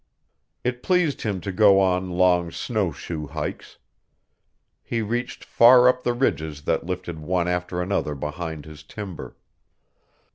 It pleased him to go on long snowshoe hikes. He reached far up the ridges that lifted one after another behind his timber.